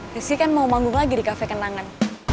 rizky kan mau manggung lagi di cafe kenangan